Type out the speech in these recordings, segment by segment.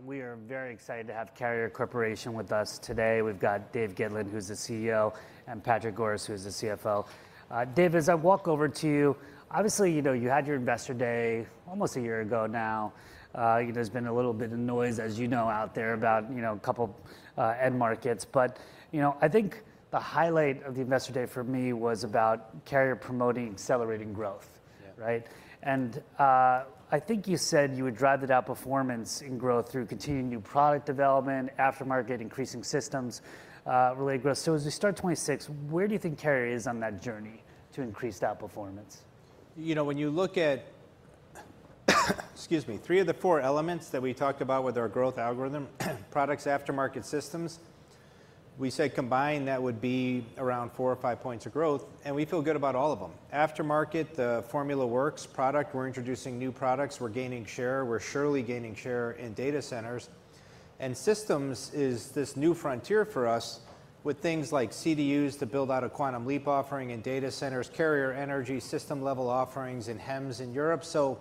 But we are very excited to have Carrier Corporation with us today. We've got Dave Gitlin, who's the CEO, and Patrick Goris, who's the CFO. Dave, as I walk over to you, obviously, you know, you had your investor day almost a year ago now. There's been a little bit of noise, as you know, out there about, you know, a couple end markets. But, you know, I think the highlight of the investor day for me was about Carrier promoting accelerating growth. Yeah. Right? And, I think you said you would drive that outperformance in growth through continuing new product development, aftermarket, increasing systems, related growth. So as we start 2026, where do you think Carrier is on that journey to increased outperformance? You know, when you look at, excuse me, three of the four elements that we talked about with our growth algorithm, products, aftermarket systems, we said combined, that would be around four or five points of growth, and we feel good about all of them. Aftermarket, the formula works. Product, we're introducing new products. We're gaining share. We're surely gaining share in data centers. And systems is this new frontier for us with things like CDUs to build out a quantum leap offering in Data Centers, Carrier Energy, system-level offerings, and HEMS in Europe. So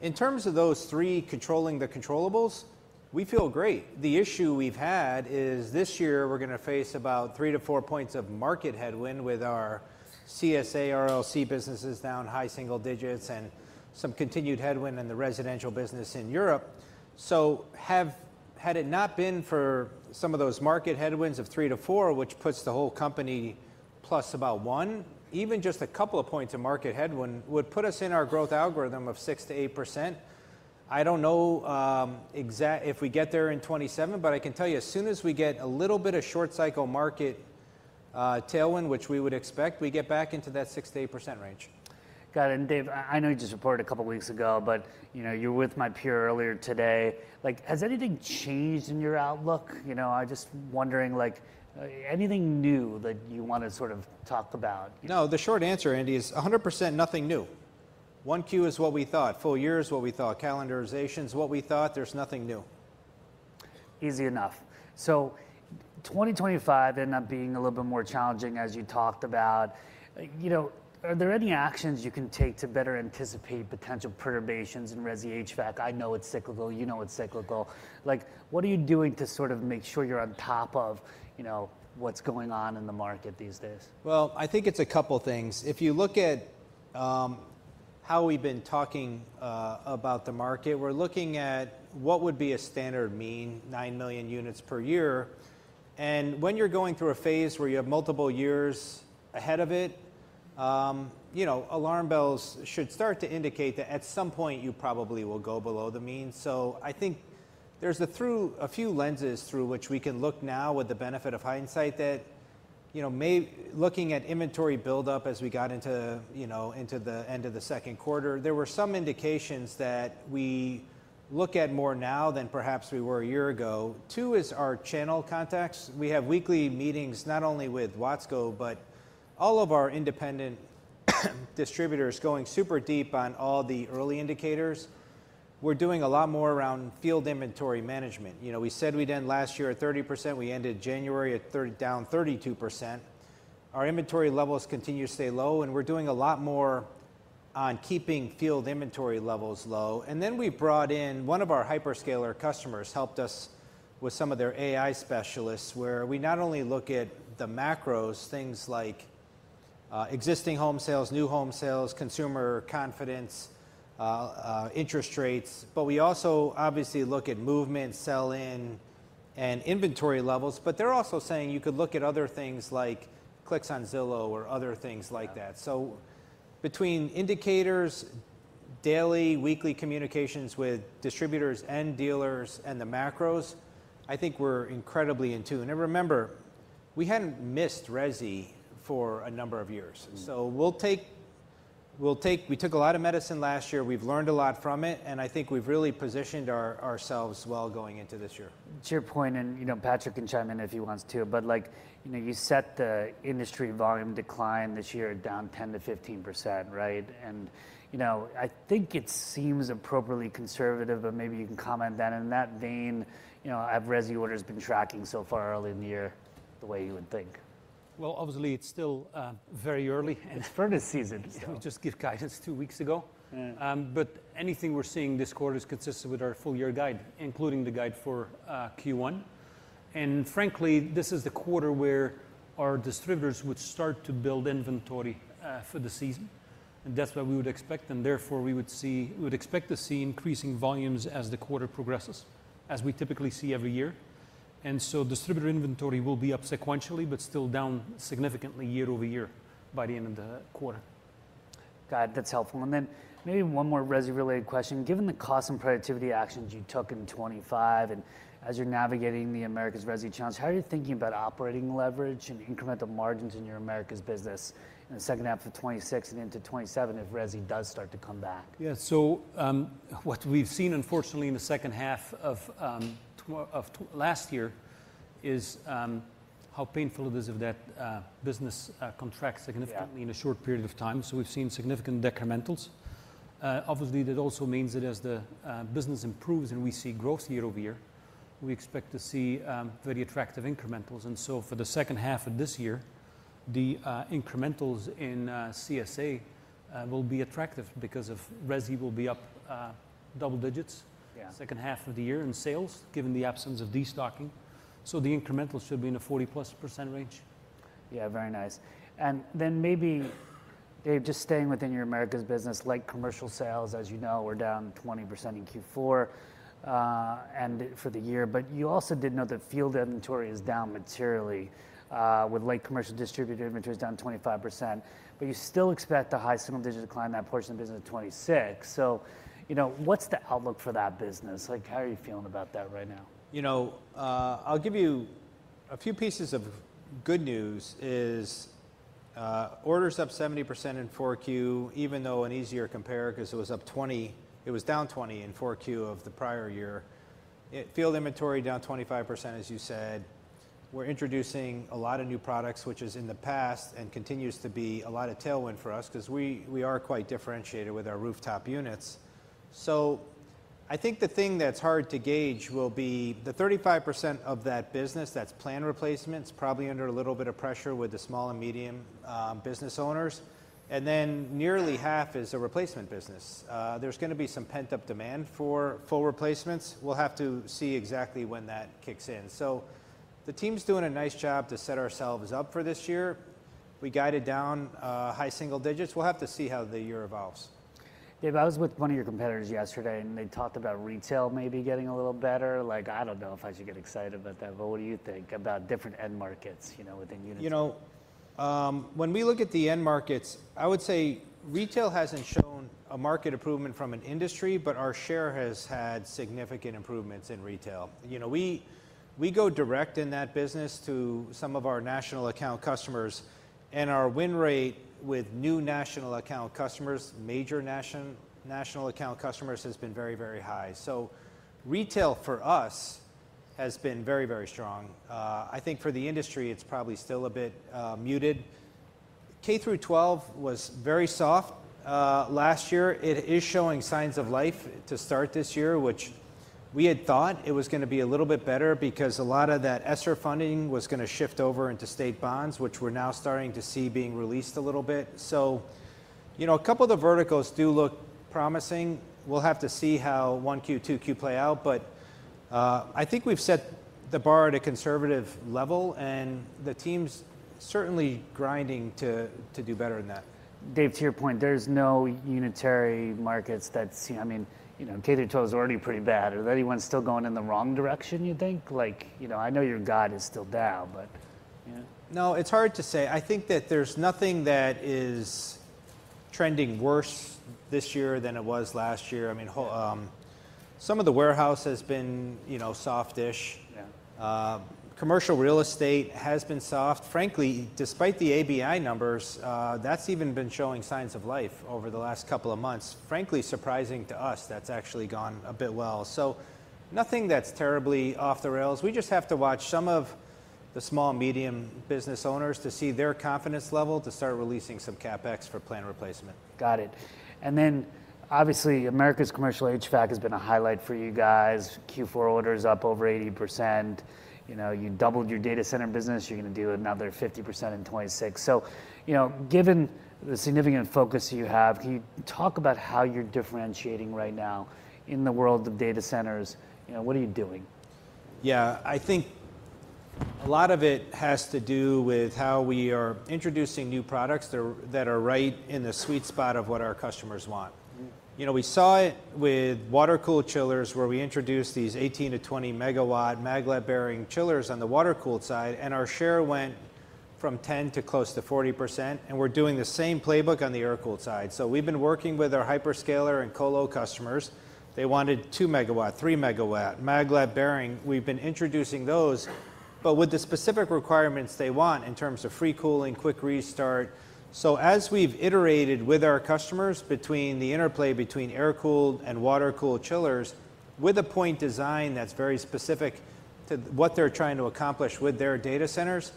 in terms of those three, controlling the controllables, we feel great. The issue we've had is, this year we're gonna face about three to four points of market headwind with our CSA RLC business is down high single digits, and some continued headwind in the residential business in Europe. So had it not been for some of those market headwinds of 3-4, which puts the whole company plus about one, even just a couple of points of market headwind would put us in our growth algorithm of 6%-8%. I don't know exactly if we'd get there in 2027, but I can tell you, as soon as we get a little bit of short cycle market tailwind, which we would expect, we get back into that 6%-8% range. Got it. And Dave, I know you just reported a couple of weeks ago, but, you know, you were with my peer earlier today. Like, has anything changed in your outlook? You know, I'm just wondering, like, anything new that you want to sort of talk about? No, the short answer, Andy, is 100% nothing new. 1Q is what we thought, full year is what we thought, calendarization is what we thought. There's nothing new. Easy enough. So 2025 ended up being a little bit more challenging, as you talked about. You know, are there any actions you can take to better anticipate potential perturbations in resi HVAC? I know it's cyclical. You know it's cyclical. Like, what are you doing to sort of make sure you're on top of, you know, what's going on in the market these days? Well, I think it's a couple things. If you look at how we've been talking about the market, we're looking at what would be a standard mean, nine million units per year. And when you're going through a phase where you have multiple years ahead of it, you know, alarm bells should start to indicate that at some point, you probably will go below the mean. So I think there's a through a few lenses through which we can look now with the benefit of hindsight that, you know, may. Looking at inventory buildup as we got into, you know, into the end of the second quarter, there were some indications that we look at more now than perhaps we were a year ago. Two is our channel contacts. We have weekly meetings, not only with Watsco, but all of our independent distributors, going super deep on all the early indicators. We're doing a lot more around field inventory management. You know, we said we'd end last year at 30%, we ended January down 32%. Our inventory levels continue to stay low, and we're doing a lot more on keeping field inventory levels low. And then we brought in one of our hyperscaler customers, helped us with some of their AI specialists, where we not only look at the macros, things like existing home sales, new home sales, consumer confidence, interest rates, but we also obviously look at movement, sell in, and inventory levels. But they're also saying you could look at other things like clicks on Zillow or other things like that. Yeah. Between indicators, daily, weekly communications with distributors and dealers and the macros, I think we're incredibly in tune. Remember, we hadn't missed resi for a number of years. Mm. So we took a lot of medicine last year. We've learned a lot from it, and I think we've really positioned our, ourselves well going into this year. To your point, and, you know, Patrick can chime in if he wants to, but like, you know, you set the industry volume decline this year down 10%-15%, right? And, you know, I think it seems appropriately conservative, but maybe you can comment that. In that vein, you know, have resi orders been tracking so far early in the year, the way you would think? Well, obviously, it's still very early and- It's furnace season, so. We just gave guidance two weeks ago. Yeah. But anything we're seeing this quarter is consistent with our full year guide, including the guide for Q1. And frankly, this is the quarter where our distributors would start to build inventory for the season, and that's what we would expect, and therefore, we would expect to see increasing volumes as the quarter progresses, as we typically see every year. And so distributor inventory will be up sequentially, but still down significantly year-over-year by the end of the quarter. Got it. That's helpful. And then maybe one more resi-related question. Given the cost and productivity actions you took in 2025, and as you're navigating the Americas resi challenge, how are you thinking about operating leverage and incremental margins in your Americas business in the second half of 2026 and into 2027, if resi does start to come back? Yeah. So, what we've seen, unfortunately, in the second half of last year, is how painful it is if that business contracts significantly- Yeah... in a short period of time. So we've seen significant decrementals. Obviously, that also means that as the business improves and we see growth year-over-year, we expect to see very attractive incrementals. And so for the second half of this year... the incrementals in CSA will be attractive because of resi will be up double digits- Yeah - second half of the year in sales, given the absence of destocking. So the incrementals should be in the 40%+ range. Yeah, very nice. And then maybe, Dave, just staying within your Americas business, light commercial sales, as you know, were down 20% in Q4, and for the year. But you also did note that field inventory is down materially, with light commercial distributor inventory is down 25%. But you still expect a high single-digit decline in that portion of the business in 2026. So, you know, what's the outlook for that business? Like, how are you feeling about that right now? You know, I'll give you a few pieces of good news is, orders up 70% in 4Q, even though an easier compare, because it was up 20- it was down 20 in 4Q of the prior year. Field inventory down 25%, as you said. We're introducing a lot of new products, which is in the past, and continues to be, a lot of tailwind for us, because we, we are quite differentiated with our rooftop units. So I think the thing that's hard to gauge will be the 35% of that business that's plan replacements, probably under a little bit of pressure with the small and medium business owners, and then nearly half is a replacement business. There's gonna be some pent-up demand for full replacements. We'll have to see exactly when that kicks in. So the team's doing a nice job to set ourselves up for this year. We guided down, high single digits. We'll have to see how the year evolves. Dave, I was with one of your competitors yesterday, and they talked about retail maybe getting a little better. Like, I don't know if I should get excited about that, but what do you think about different end markets, you know, within units? You know, when we look at the end markets, I would say retail hasn't shown a market improvement from an industry, but our share has had significant improvements in retail. You know, we go direct in that business to some of our national account customers, and our win rate with new national account customers, major national account customers, has been very, very high. So retail for us has been very, very strong. I think for the industry, it's probably still a bit muted. K through 12 was very soft last year. It is showing signs of life to start this year, which we had thought it was gonna be a little bit better because a lot of that ESSER funding was gonna shift over into state bonds, which we're now starting to see being released a little bit. So, you know, a couple of the verticals do look promising. We'll have to see how 1Q, 2Q play out, but I think we've set the bar at a conservative level, and the team's certainly grinding to do better than that. Dave, to your point, there's no unitary markets that's... I mean, you know, K to 12 is already pretty bad. Is anyone still going in the wrong direction, you think? Like, you know, I know your guidance is still down, but yeah. No, it's hard to say. I think that there's nothing that is trending worse this year than it was last year. I mean, some of the warehouse has been, you know, soft-ish. Yeah. Commercial real estate has been soft. Frankly, despite the ABI numbers, that's even been showing signs of life over the last couple of months. Frankly, surprising to us, that's actually gone a bit well. Nothing that's terribly off the rails. We just have to watch some of the small and medium business owners to see their confidence level to start releasing some CapEx for plan replacement. Got it. And then, obviously, America's commercial HVAC has been a highlight for you guys. Q4 orders up over 80%. You know, you doubled your data center business. You're gonna do another 50% in 2026. So, you know, given the significant focus you have, can you talk about how you're differentiating right now in the world of data centers? You know, what are you doing? Yeah, I think a lot of it has to do with how we are introducing new products that are right in the sweet spot of what our customers want. Mm. You know, we saw it with water-cooled chillers, where we introduced these 18 MW to 20 MW maglev bearing chillers on the water-cooled side, and our share went from 10 to close to 40%, and we're doing the same playbook on the air-cooled side. So we've been working with our hyperscaler and colo customers. They wanted 2 MW, 3 MW maglev bearing. We've been introducing those, but with the specific requirements they want in terms of free cooling, quick restart. So as we've iterated with our customers between the interplay between air-cooled and water-cooled chillers, with a point design that's very specific to what they're trying to accomplish with their data centers,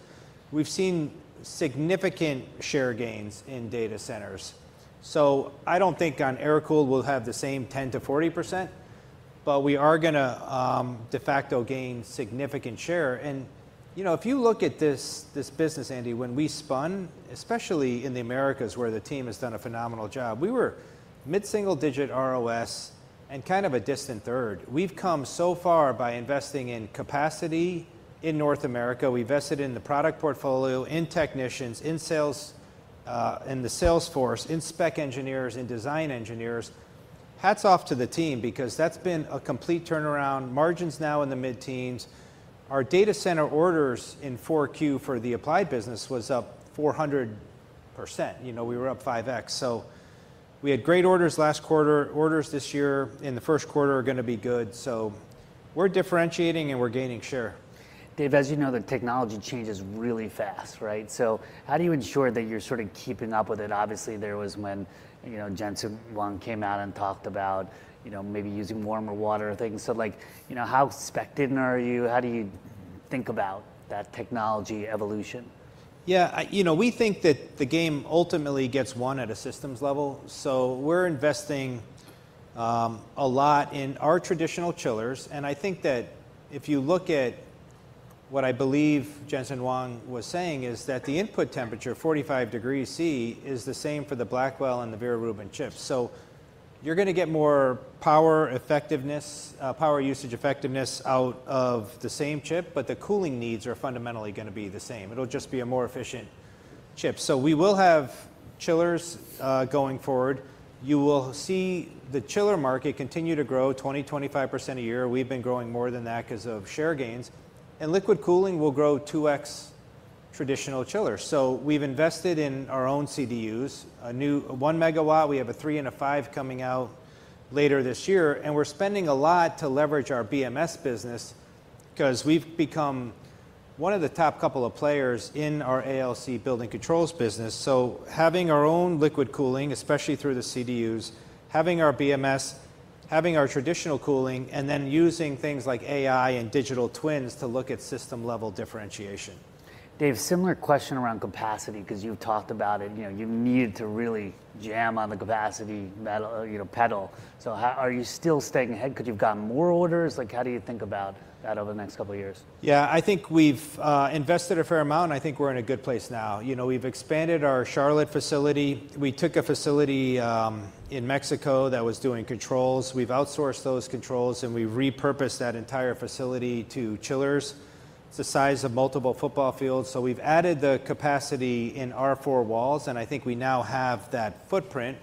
we've seen significant share gains in data centers. So I don't think on air-cooled we'll have the same 10 to 40%, but we are gonna de facto gain significant share. You know, if you look at this, this business, Andy, when we spun, especially in the Americas, where the team has done a phenomenal job, we were mid-single-digit ROS and kind of a distant third. We've come so far by investing in capacity in North America. We invested in the product portfolio, in technicians, in sales, in the sales force, in spec engineers, in design engineers. Hats off to the team, because that's been a complete turnaround. Margins now in the mid-teens. Our data center orders in 4Q for the applied business was up 400%. You know, we were up 5x. So we had great orders last quarter. Orders this year, in the first quarter, are gonna be good, so we're differentiating, and we're gaining share. Dave, as you know, the technology changes really fast, right? So how do you ensure that you're sort of keeping up with it? Obviously, there was when, you know, Jensen Huang came out and talked about, you know, maybe using warmer water and things. So, like, you know, how up to date are you? How do you think about that technology evolution? Yeah, you know, we think that the game ultimately gets won at a systems level. So we're investing a lot in our traditional chillers, and I think that if you look at what I believe Jensen Huang was saying, is that the input temperature, 45 degrees C, is the same for the Blackwell and the Vera Rubin chips. So you're going to get more power effectiveness, power usage effectiveness out of the same chip, but the cooling needs are fundamentally going to be the same. It'll just be a more efficient chip. So we will have chillers going forward. You will see the chiller market continue to grow 20-25% a year. We've been growing more than that 'cause of share gains, and liquid cooling will grow 2x traditional chillers. So we've invested in our own CDUs, a new 1 MW. We have a 3 MW and a 5 MW coming out later this year, and we're spending a lot to leverage our BMS business, 'cause we've become one of the top couple of players in our ALC building controls business. So having our own liquid cooling, especially through the CDUs, having our BMS, having our traditional cooling, and then using things like AI and digital twins to look at system-level differentiation. Dave, similar question around capacity, 'cause you've talked about it. You know, you need to really jam on the capacity pedal, you know. So how... Are you still staying ahead? Could you've gotten more orders? Like, how do you think about that over the next couple of years? Yeah, I think we've invested a fair amount, and I think we're in a good place now. You know, we've expanded our Charlotte facility. We took a facility in Mexico that was doing controls. We've outsourced those controls, and we've repurposed that entire facility to chillers. It's the size of multiple football fields, so we've added the capacity in our four walls, and I think we now have that footprint.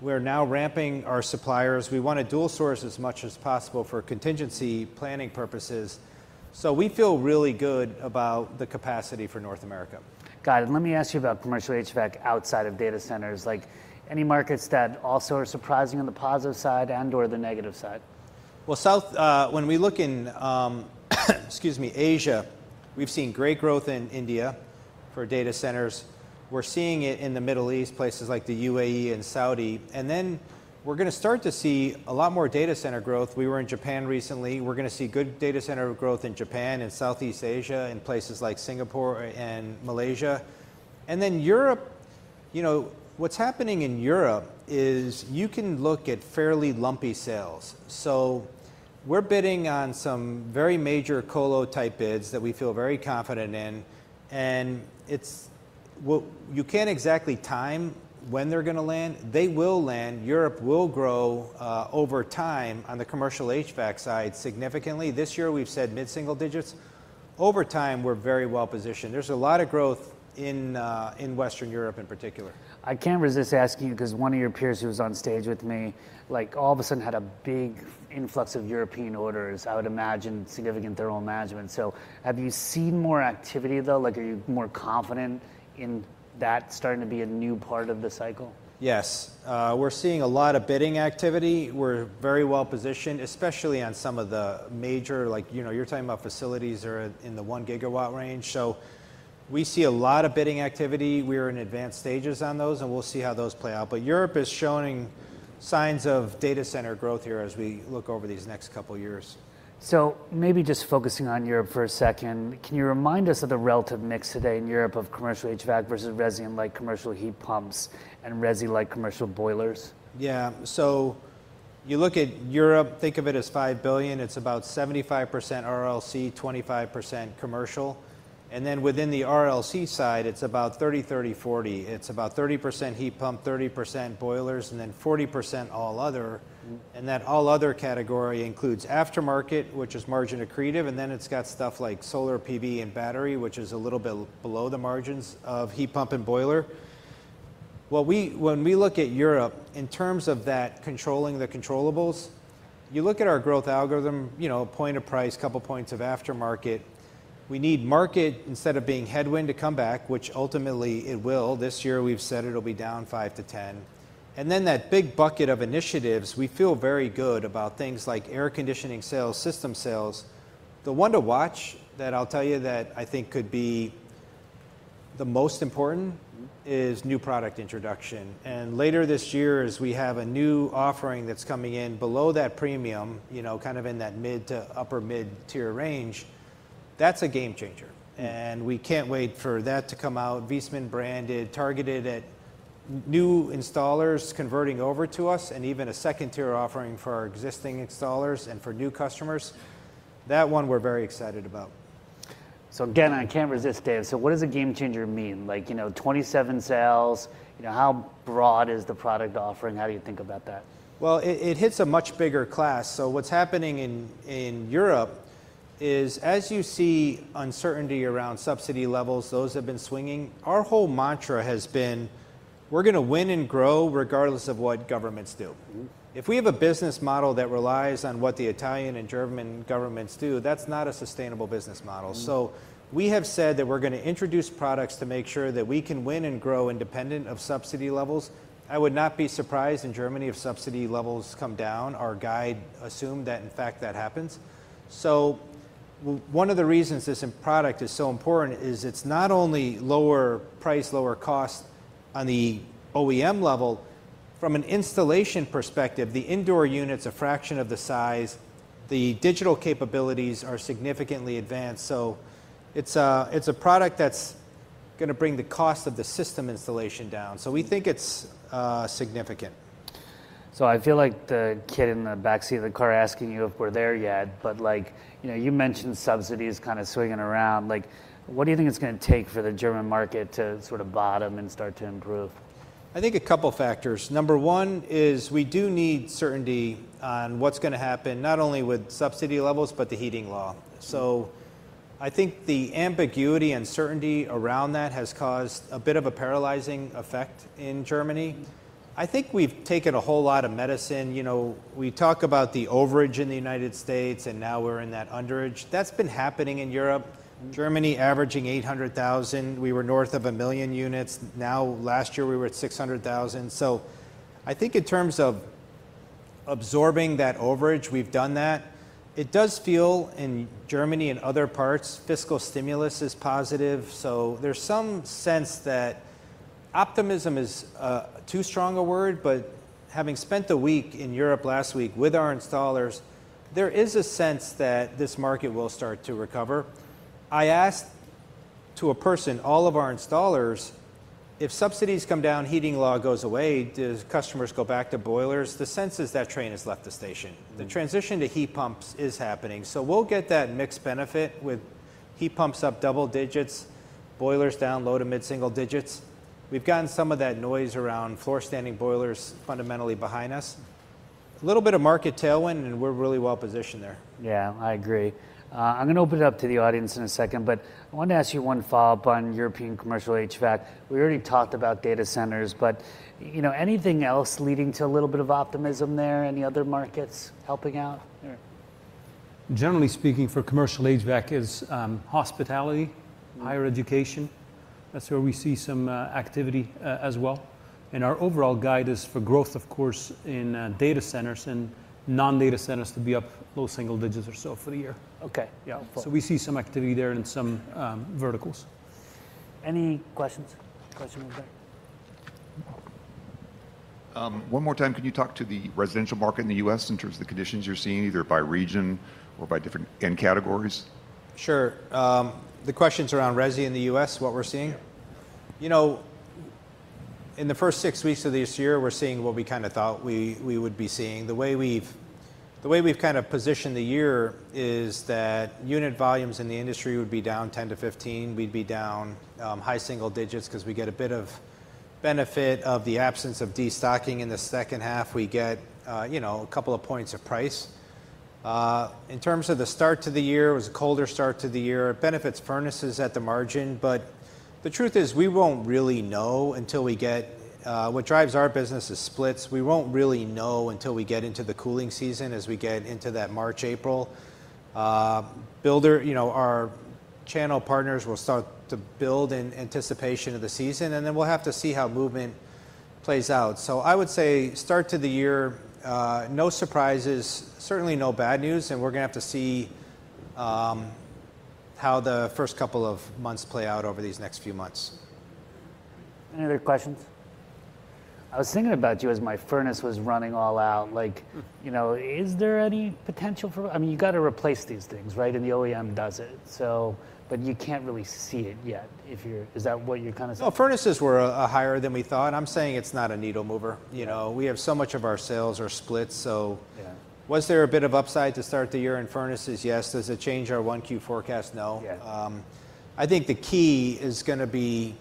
We're now ramping our suppliers. We want to dual source as much as possible for contingency planning purposes, so we feel really good about the capacity for North America. Got it. Let me ask you about commercial HVAC outside of data centers. Like, any markets that also are surprising on the positive side and/or the negative side? Well, so, when we look in Asia, we've seen great growth in India for data centers. We're seeing it in the Middle East, places like the UAE and Saudi, and then we're going to start to see a lot more data center growth. We were in Japan recently. We're going to see good data center growth in Japan and Southeast Asia, in places like Singapore and Malaysia. And then Europe, you know, what's happening in Europe is you can look at fairly lumpy sales. So we're bidding on some very major colo-type bids that we feel very confident in, and it's. Well, you can't exactly time when they're going to land. They will land. Europe will grow over time on the commercial HVAC side significantly. This year, we've said mid-single digits. Over time, we're very well-positioned. There's a lot of growth in Western Europe in particular. I can't resist asking you, 'cause one of your peers who was on stage with me, like, all of a sudden had a big influx of European orders. I would imagine significant thermal management. So have you seen more activity, though? Like, are you more confident in that starting to be a new part of the cycle? Yes. We're seeing a lot of bidding activity. We're very well-positioned, especially on some of the major, like, you know, you're talking about facilities that are in the 1 GW range. So we see a lot of bidding activity. We are in advanced stages on those, and we'll see how those play out. But Europe is showing signs of data center growth here as we look over these next couple of years. So maybe just focusing on Europe for a second, can you remind us of the relative mix today in Europe of commercial HVAC versus resi and light commercial heat pumps and resi light commercial boilers? Yeah. So you look at Europe, think of it as $5 billion. It's about 75% RLC, 25% commercial, and then within the RLC side, it's about 30, 30, 40. It's about 30% heat pump, 30% boilers, and then 40% all other, and that all other category includes aftermarket, which is margin accretive, and then it's got stuff like solar, PV, and battery, which is a little bit below the margins of heat pump and boiler. Well, when we look at Europe, in terms of that controlling the controllables, you look at our growth algorithm, you know, point a price, couple points of aftermarket. We need market, instead of being headwind, to come back, which ultimately it will. This year we've said it'll be down 5%-10%. And then that big bucket of initiatives, we feel very good about things like air conditioning sales, system sales. The one to watch that I'll tell you that I think could be the most important is new product introduction, and later this year, as we have a new offering that's coming in below that premium, you know, kind of in that mid to upper mid-tier range, that's a game changer. Mm. We can't wait for that to come out. Viessmann branded, targeted at new installers converting over to us, and even a second-tier offering for our existing installers and for new customers. That one we're very excited about. So again, I can't resist, Dave. So what does a game changer mean? Like, you know, 27 sales. You know, how broad is the product offering? How do you think about that? Well, it hits a much bigger class. So what's happening in Europe is, as you see uncertainty around subsidy levels, those have been swinging. Our whole mantra has been: We're going to win and grow regardless of what governments do. Mm. If we have a business model that relies on what the Italian and German governments do, that's not a sustainable business model. Mm. So we have said that we're going to introduce products to make sure that we can win and grow independent of subsidy levels. I would not be surprised in Germany if subsidy levels come down. Our guide assumed that, in fact, that happens. So one of the reasons this end product is so important is it's not only lower price, lower cost on the OEM level. From an installation perspective, the indoor unit's a fraction of the size, the digital capabilities are significantly advanced. So it's a, it's a product that's gonna bring the cost of the system installation down. So we think it's significant. So I feel like the kid in the back seat of the car asking you if we're there yet, but, like, you know, you mentioned subsidies kind of swinging around. Like, what do you think it's gonna take for the German market to sort of bottom and start to improve? I think a couple factors. Number one is we do need certainty on what's gonna happen, not only with subsidy levels, but the heating law. So I think the ambiguity and certainty around that has caused a bit of a paralyzing effect in Germany. I think we've taken a whole lot of medicine. You know, we talk about the overage in the United States, and now we're in that underage. That's been happening in Europe. Mm. Germany averaging 800,000. We were north of 1 million units. Now, last year, we were at 600,000. So I think in terms of absorbing that overage, we've done that. It does feel, in Germany and other parts, fiscal stimulus is positive. So there's some sense that... optimism is too strong a word, but having spent the week in Europe last week with our installers, there is a sense that this market will start to recover. I asked to a person, all of our installers, if subsidies come down, heating law goes away, do customers go back to boilers? The sense is that train has left the station. Mm. The transition to heat pumps is happening. So we'll get that mixed benefit with heat pumps up double digits, boilers down low to mid-single digits. We've gotten some of that noise around floor-standing boilers fundamentally behind us. A little bit of market tailwind, and we're really well positioned there. Yeah, I agree. I'm gonna open it up to the audience in a second, but I wanted to ask you one follow-up on European commercial HVAC. We already talked about data centers, but, you know, anything else leading to a little bit of optimism there? Any other markets helping out? Yeah. Generally speaking, for commercial HVAC is, hospitality- Mm... higher education. That's where we see some activity as well. And our overall guide is for growth, of course, in data centers and non-data centers to be up low single digits or so for the year. Okay. Yeah. Cool. So we see some activity there in some verticals. Any questions? Question over there. One more time, could you talk to the residential market in the US in terms of the conditions you're seeing, either by region or by different end categories? Sure. The questions around resi in the US, what we're seeing? Yeah. You know, in the first 6 weeks of this year, we're seeing what we kinda thought we would be seeing. The way we've kind of positioned the year is that unit volumes in the industry would be down 10-15. We'd be down high single digits 'cause we get a bit of benefit of the absence of destocking in the second half. We get you know, a couple of points of price. In terms of the start to the year, it was a colder start to the year. It benefits furnaces at the margin, but the truth is, we won't really know until we get what drives our business is splits. We won't really know until we get into the cooling season, as we get into that March, April. Builder, you know, our channel partners will start to build in anticipation of the season, and then we'll have to see how movement plays out. So I would say, start to the year, no surprises, certainly no bad news, and we're gonna have to see how the first couple of months play out over these next few months. Any other questions? I was thinking about you as my furnace was running all out. Like, you know, is there any potential for... I mean, you've got to replace these things, right? And the OEM does it. So, but you can't really see it yet if you're... Is that what you're kinda saying? Well, furnaces were higher than we thought. I'm saying it's not a needle mover. Mm. You know, we have so much of our sales are splits, so- Yeah. Was there a bit of upside to start the year in furnaces? Yes. Does it change our 1Q forecast? No. Yeah. I think the key is gonna be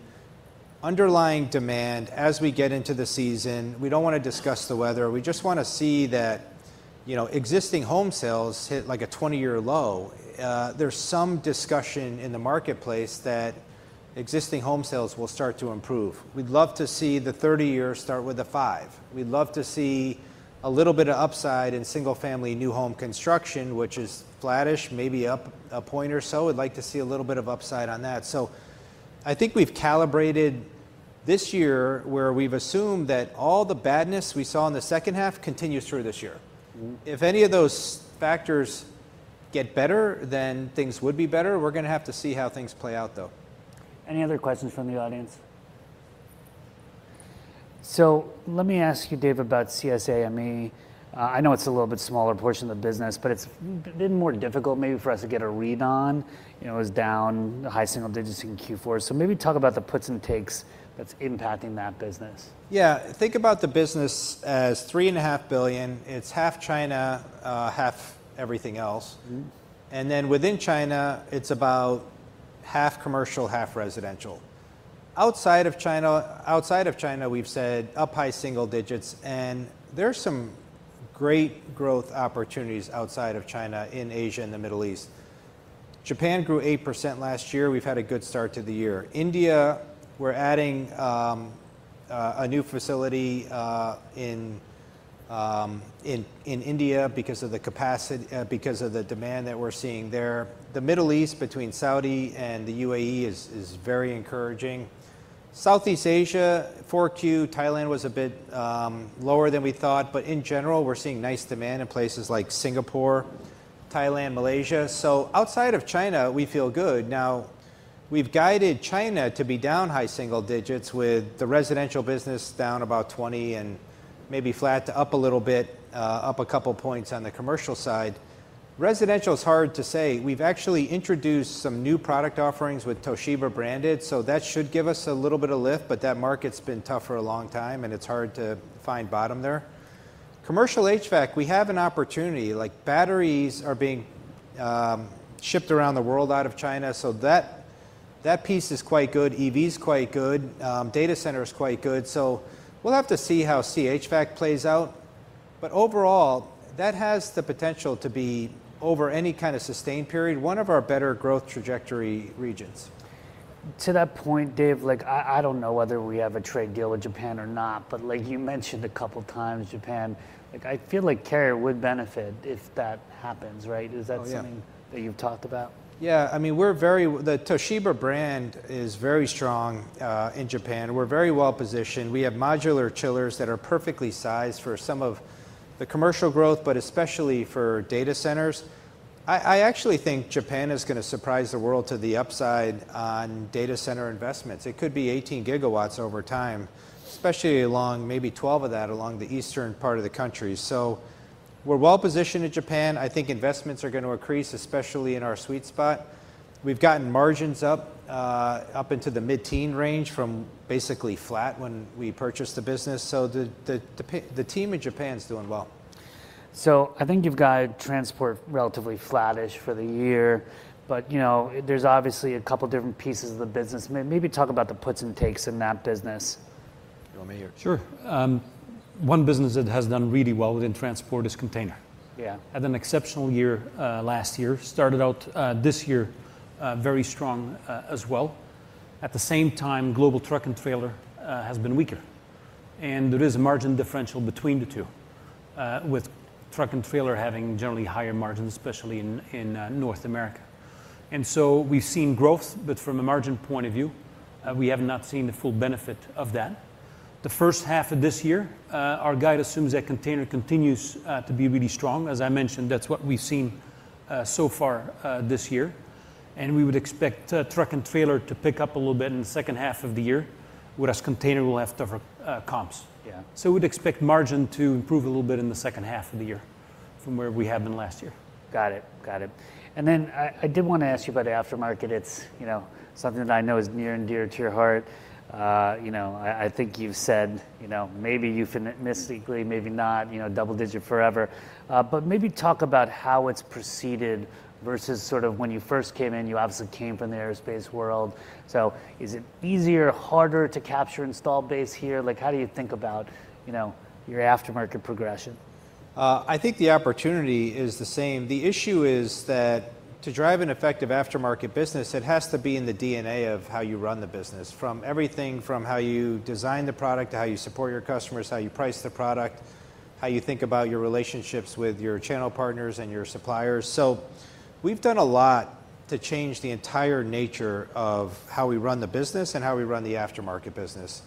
underlying demand. As we get into the season, we don't wanna discuss the weather. We just wanna see that, you know, existing home sales hit, like, a 20-year low. There's some discussion in the marketplace that existing home sales will start to improve. We'd love to see the 30-year start with a five. We'd love to see a little bit of upside in single-family, new home construction, which is flattish, maybe up a point or so. We'd like to see a little bit of upside on that. So I think we've calibrated this year, where we've assumed that all the badness we saw in the second half continues through this year. Mm. If any of those factors get better, then things would be better. We're gonna have to see how things play out, though. Any other questions from the audience? So let me ask you, Dave, about CSAME. I know it's a little bit smaller portion of the business, but it's bit more difficult maybe for us to get a read on. You know, it was down high single digits in Q4. So maybe talk about the puts and takes that's impacting that business. Yeah. Think about the business as $3.5 billion. It's half China, half everything else. Mm-hmm. And then within China, it's about half commercial, half residential. Outside of China, outside of China, we've said up high single digits, and there are some great growth opportunities outside of China in Asia and the Middle East. Japan grew 8% last year. We've had a good start to the year. India, we're adding a new facility in India because of the demand that we're seeing there. The Middle East, between Saudi and the UAE, is very encouraging. Southeast Asia, 4Q, Thailand was a bit lower than we thought, but in general, we're seeing nice demand in places like Singapore, Thailand, Malaysia. So outside of China, we feel good. Now, we've guided China to be down high single digits with the residential business down about 20 and maybe flat to up a little bit, up a couple points on the commercial side. Residential is hard to say. We've actually introduced some new product offerings with Toshiba branded, so that should give us a little bit of lift, but that market's been tough for a long time, and it's hard to find bottom there. Commercial HVAC, we have an opportunity, like, batteries are being shipped around the world out of China, so that, that piece is quite good. EV is quite good. Data center is quite good. So we'll have to see how CHVAC plays out, but overall, that has the potential to be, over any kind of sustained period, one of our better growth trajectory regions. To that point, Dave, like I don't know whether we have a trade deal with Japan or not, but like you mentioned a couple times, Japan, like I feel like Carrier would benefit if that happens, right? Oh, yeah. Is that something that you've talked about? Yeah, I mean, we're very- the Toshiba brand is very strong in Japan. We're very well-positioned. We have modular chillers that are perfectly sized for some of the commercial growth, but especially for data centers. I actually think Japan is gonna surprise the world to the upside on data center investments. It could be 18 GW over time, especially along maybe 12 of that along the eastern part of the country. So we're well-positioned in Japan. I think investments are going to increase, especially in our sweet spot. We've gotten margins up up into the mid-teen range from basically flat when we purchased the business, so the team in Japan is doing well. I think you've got transport relatively flattish for the year, but, you know, there's obviously a couple different pieces of the business. Maybe talk about the puts and takes in that business. You want me or...? Sure. One business that has done really well within transport is container. Yeah. Had an exceptional year last year. Started out this year very strong as well. At the same time, global truck and trailer has been weaker, and there is a margin differential between the two with truck and trailer having generally higher margins, especially in North America. And so we've seen growth, but from a margin point of view we have not seen the full benefit of that. The first half of this year our guide assumes that container continues to be really strong. As I mentioned, that's what we've seen so far this year, and we would expect truck and trailer to pick up a little bit in the second half of the year, whereas container will have tougher comps. Yeah. We'd expect margin to improve a little bit in the second half of the year from where we have been last year. Got it. Got it. And then I did want to ask you about the aftermarket. It's, you know, something that I know is near and dear to your heart. You know, I think you've said, you know, maybe euphemistically, maybe not, you know, double digit forever. But maybe talk about how it's proceeded versus sort of when you first came in. You obviously came from the aerospace world, so is it easier or harder to capture installed base here? Like, how do you think about, you know, your aftermarket progression? I think the opportunity is the same. The issue is that to drive an effective aftermarket business, it has to be in the DNA of how you run the business. From everything from how you design the product, to how you support your customers, how you price the product, how you think about your relationships with your channel partners and your suppliers. So we've done a lot to change the entire nature of how we run the business and how we run the aftermarket business.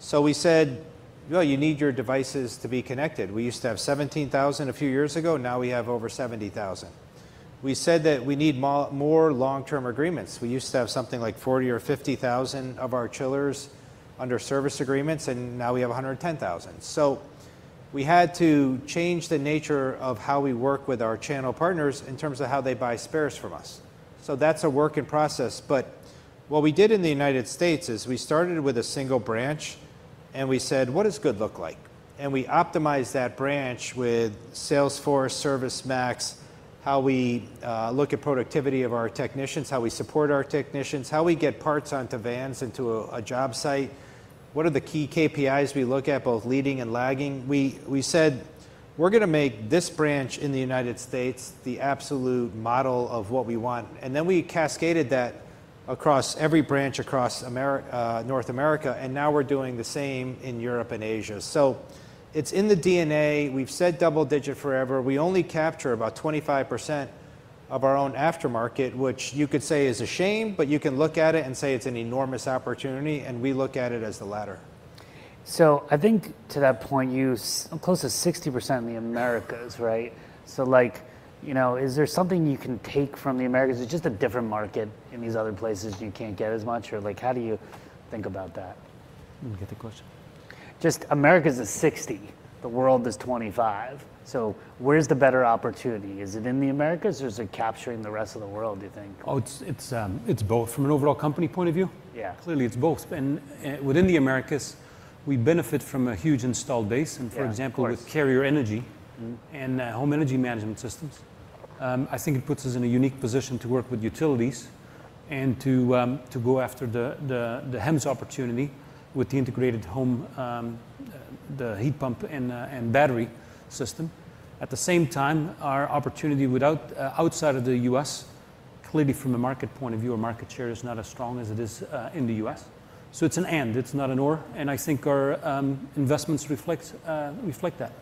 So we said, "Well, you need your devices to be connected." We used to have 17,000 a few years ago, now we have over 70,000. We said that we need more long-term agreements. We used to have something like 40,000 or 50,000 of our chillers under service agreements, and now we have 110,000. So we had to change the nature of how we work with our channel partners in terms of how they buy spares from us. So that's a work in process. But what we did in the United States is we started with a single branch, and we said, "What does good look like?" And we optimized that branch with Salesforce, ServiceMax, how we look at productivity of our technicians, how we support our technicians, how we get parts onto vans, into a job site. What are the key KPIs we look at, both leading and lagging? We said, "We're gonna make this branch in the United States the absolute model of what we want," and then we cascaded that across every branch across North America, and now we're doing the same in Europe and Asia. So it's in the DNA. We've said double digit forever. We only capture about 25% of our own aftermarket, which you could say is a shame, but you can look at it and say it's an enormous opportunity, and we look at it as the latter. So I think, to that point, you're close to 60% in the Americas, right? So, like, you know, is there something you can take from the Americas? Is it just a different market in these other places, you can't get as much? Or, like, how do you think about that? Let me get the question. Just Americas is 60, the world is 25, so where's the better opportunity? Is it in the Americas, or is it capturing the rest of the world, do you think? Oh, it's both from an overall company point of view. Yeah. Clearly, it's both. And, within the Americas, we benefit from a huge installed base- Yeah, of course.... and, for example, with Carrier Energy and home energy management systems, I think it puts us in a unique position to work with utilities and to go after the HEMS opportunity with the integrated home, the heat pump and battery system. At the same time, our opportunity outside of the US, clearly from a market point of view, our market share is not as strong as it is in the US. So it's an "and," it's not an "or," and I think our investments reflect that.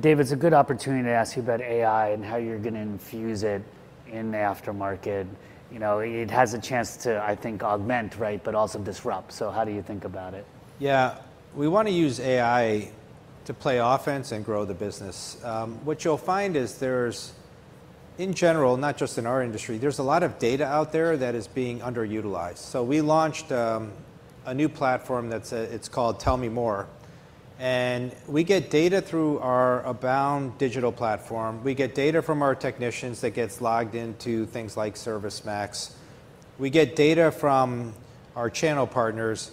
Dave, it's a good opportunity to ask you about AI and how you're gonna infuse it in the aftermarket. You know, it has a chance to, I think, augment, right, but also disrupt. So how do you think about it? Yeah, we want to use AI to play offense and grow the business. What you'll find is there's, in general, not just in our industry, there's a lot of data out there that is being underutilized. So we launched a new platform that's, it's called Tell Me More. And we get data through our Abound digital platform. We get data from our technicians that gets logged into things like ServiceMax. We get data from our channel partners.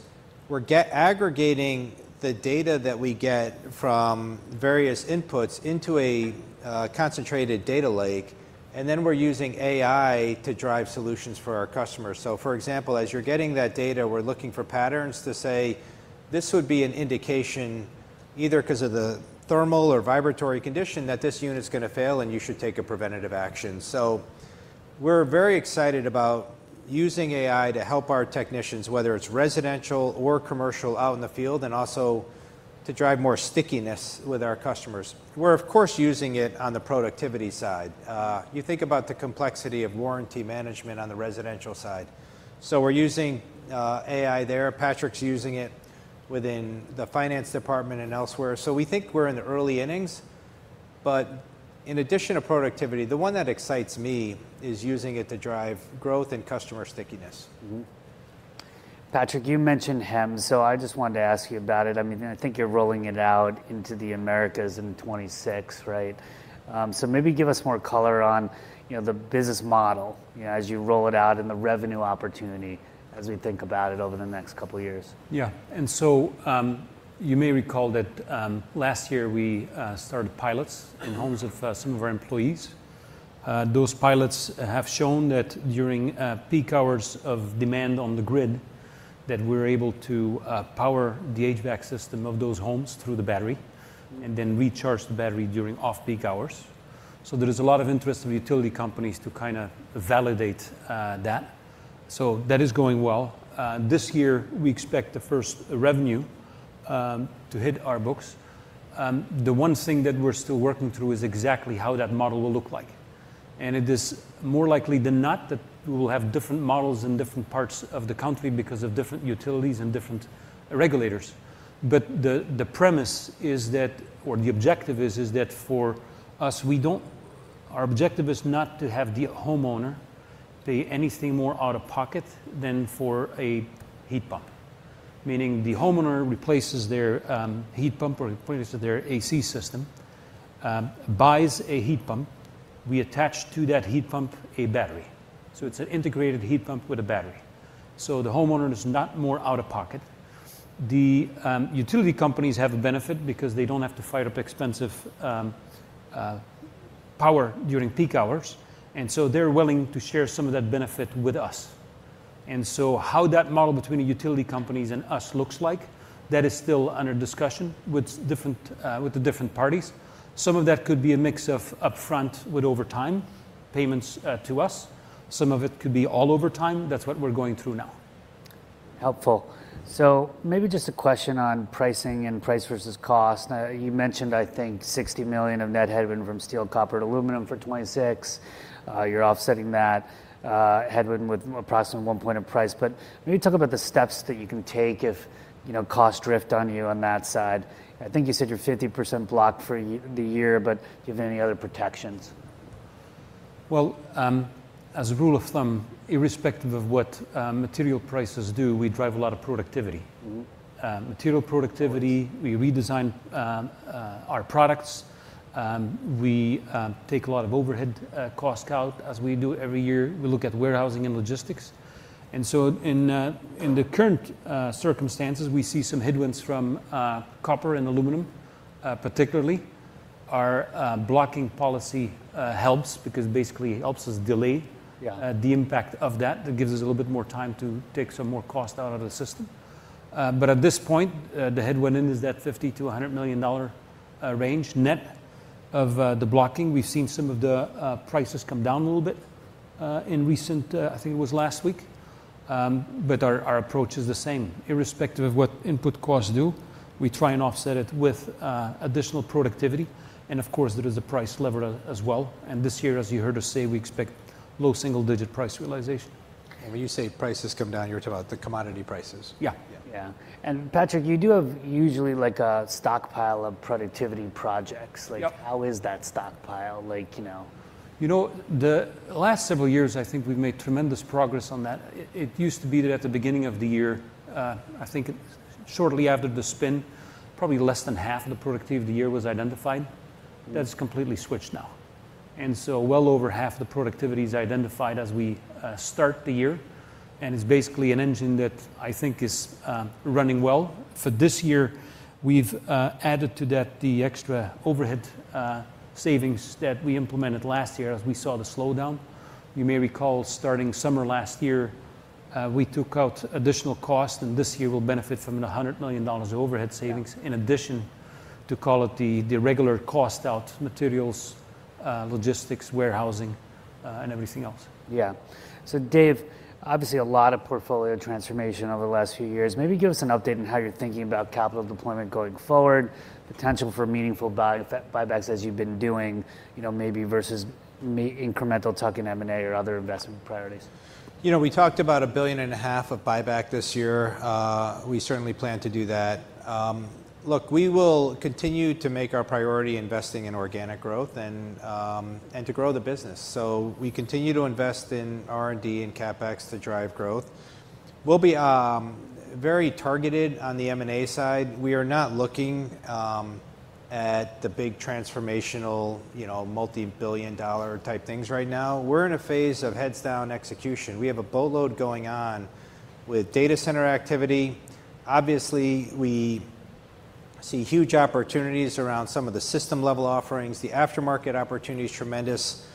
We're aggregating the data that we get from various inputs into a concentrated data lake, and then we're using AI to drive solutions for our customers. So for example, as you're getting that data, we're looking for patterns to say, "This would be an indication, either 'cause of the thermal or vibratory condition, that this unit's gonna fail, and you should take a preventative action." So we're very excited about using AI to help our technicians, whether it's residential or commercial, out in the field, and also to drive more stickiness with our customers. We're of course, using it on the productivity side. You think about the complexity of warranty management on the residential side. So we're using AI there. Patrick's using it within the finance department and elsewhere. So we think we're in the early innings, but in addition to productivity, the one that excites me is using it to drive growth and customer stickiness. Mm-hmm. Patrick, you mentioned HEM, so I just wanted to ask you about it. I mean, I think you're rolling it out into the Americas in 2026, right? So maybe give us more color on, you know, the business model, you know, as you roll it out, and the revenue opportunity as we think about it over the next couple of years. Yeah. And so, you may recall that, last year we started pilots- Mm... in homes of some of our employees. Those pilots have shown that during peak hours of demand on the grid, that we're able to power the HVAC system of those homes through the battery- Mm And then recharge the battery during off-peak hours. So there is a lot of interest from utility companies to kind of validate that. So that is going well. This year, we expect the first revenue to hit our books. The one thing that we're still working through is exactly how that model will look like. And it is more likely than not that we will have different models in different parts of the country because of different utilities and different regulators. But the premise is that, or the objective is that for us, we don't— our objective is not to have the homeowner pay anything more out of pocket than for a heat pump, meaning the homeowner replaces their heat pump or replaces their AC system, buys a heat pump. We attach to that heat pump a battery. So it's an integrated heat pump with a battery. So the homeowner is not more out of pocket. The utility companies have a benefit because they don't have to fire up expensive power during peak hours, and so they're willing to share some of that benefit with us. And so how that model between the utility companies and us looks like, that is still under discussion with different, with the different parties. Some of that could be a mix of upfront, with over time payments, to us. Some of it could be all over time. That's what we're going through now. Helpful. So maybe just a question on pricing and price versus cost. You mentioned, I think, $60 million of net headwind from steel, copper, and aluminum for 2026. You're offsetting that headwind with approximately one point of price. But maybe talk about the steps that you can take if, you know, costs drift on you on that side. I think you said you're 50% blocked for the year, but do you have any other protections? Well, as a rule of thumb, irrespective of what material prices do, we drive a lot of productivity. Mm-hmm. Material productivity- Of course... we redesign our products. We take a lot of overhead cost out, as we do every year. We look at warehousing and logistics. And so in the current circumstances, we see some headwinds from copper and aluminum, particularly. Our blocking policy helps because basically it helps us delay- Yeah... the impact of that. That gives us a little bit more time to take some more cost out of the system. But at this point, the headwind in is that $50-$100 million range net of the blocking. We've seen some of the prices come down a little bit in recent... I think it was last week. But our approach is the same. Irrespective of what input costs do, we try and offset it with additional productivity, and of course, there is a price lever as well. And this year, as you heard us say, we expect low single-digit price realization. When you say prices come down, you're talking about the commodity prices? Yeah. Yeah. Yeah. Patrick, you do have usually, like, a stockpile of productivity projects. Yep. Like, how is that stockpile? Like, you know... You know, the last several years, I think we've made tremendous progress on that. It used to be that at the beginning of the year, I think shortly after the spin, probably less than half of the productivity of the year was identified. Mm. That's completely switched now. So well over half the productivity is identified as we start the year, and it's basically an engine that I think is running well. For this year, we've added to that, the extra overhead savings that we implemented last year as we saw the slowdown. You may recall, starting summer last year, we took out additional cost, and this year we'll benefit from $100 million of overhead savings. Yeah... in addition to call it the regular cost out, materials, logistics, warehousing, and everything else. Yeah. So Dave, obviously a lot of portfolio transformation over the last few years. Maybe give us an update on how you're thinking about capital deployment going forward, potential for meaningful buy, buybacks as you've been doing, you know, maybe versus incremental tuck in M&A or other investment priorities. You know, we talked about $1.5 billion of buyback this year. We certainly plan to do that. Look, we will continue to make our priority investing in organic growth and to grow the business. So we continue to invest in R&D and CapEx to drive growth. We'll be very targeted on the M&A side. We are not looking at the big transformational, you know, multi-billion dollar type things right now. We're in a phase of heads-down execution. We have a boatload going on with data center activity. Obviously, we see huge opportunities around some of the system-level offerings. The aftermarket opportunity is tremendous.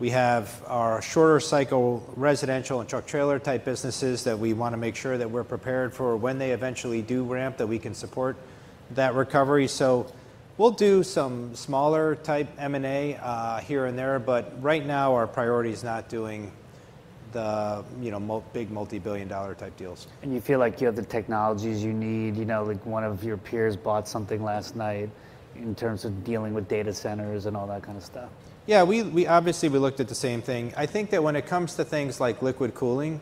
We have our shorter cycle residential and truck trailer type businesses that we wanna make sure that we're prepared for when they eventually do ramp, that we can support that recovery. So we'll do some smaller type M&A here and there, but right now our priority is not doing the, you know, big multi-billion-dollar type deals. You feel like you have the technologies you need? You know, like one of your peers bought something last night in terms of dealing with data centers and all that kind of stuff. Yeah, we obviously looked at the same thing. I think that when it comes to things like liquid cooling,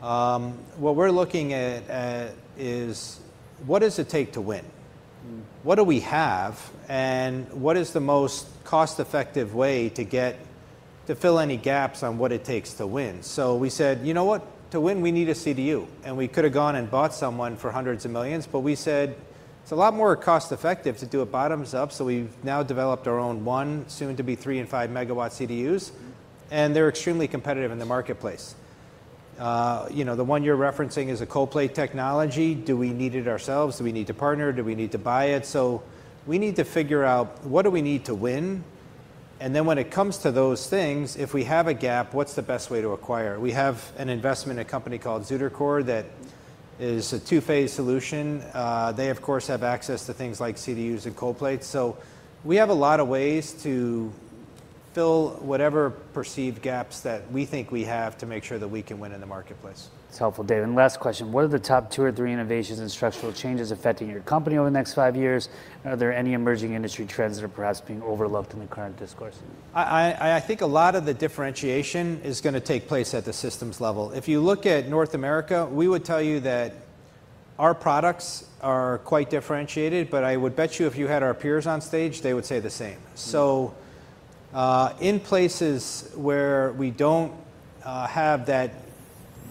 what we're looking at is: what does it take to win? Mm. What do we have, and what is the most cost-effective way to get... to fill any gaps on what it takes to win? So we said, "You know what? To win, we need a CDU." And we could have gone and bought someone for $hundreds of millions, but we said, "It's a lot more cost-effective to do it bottoms up." So we've now developed our own one, soon to be 3 MW and 5 MW CDUs. Mm. They're extremely competitive in the marketplace. You know, the one you're referencing is a cold plate technology. Do we need it ourselves? Do we need to partner? Do we need to buy it? So we need to figure out, what do we need to win, and then when it comes to those things, if we have a gap, what's the best way to acquire it? We have an investment in a company called ZutaCore that is a two-phase solution. They of course have access to things like CDUs and cold plates. So we have a lot of ways to fill whatever perceived gaps that we think we have to make sure that we can win in the marketplace. It's helpful, Dave. Last question, what are the top two or three innovations and structural changes affecting your company over the next five years? Are there any emerging industry trends that are perhaps being overlooked in the current discourse? I think a lot of the differentiation is gonna take place at the systems level. If you look at North America, we would tell you that our products are quite differentiated, but I would bet you if you had our peers on stage, they would say the same. Mm. So, in places where we don't have that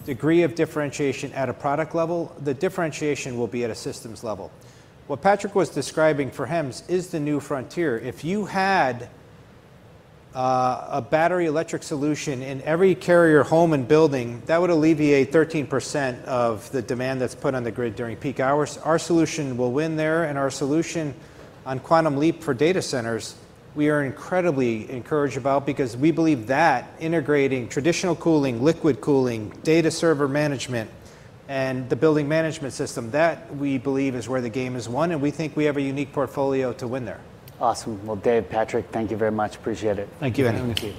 degree of differentiation at a product level, the differentiation will be at a systems level. What Patrick was describing for HEMS is the new frontier. If you had a battery electric solution in every Carrier home and building, that would alleviate 13% of the demand that's put on the grid during peak hours. Our solution will win there, and our solution on Quantum Leap for data centers, we are incredibly encouraged about because we believe that integrating traditional cooling, liquid cooling, data server management, and the building management system, that, we believe, is where the game is won, and we think we have a unique portfolio to win there. Awesome. Well, Dave, Patrick, thank you very much. Appreciate it. Thank you, Andy. Thank you.